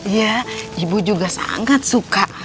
iya ibu juga sangat suka